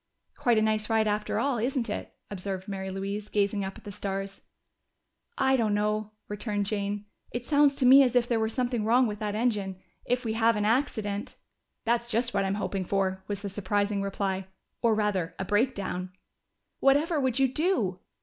"Quite a nice ride after all, isn't it?" observed Mary Louise, gazing up at the stars. "I don't know," returned Jane. "It sounds to me as if there were something wrong with that engine. If we have an accident " "That's just what I'm hoping for," was the surprising reply. "Or rather, a breakdown." "Whatever would you do?"